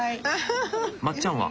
まっちゃんは？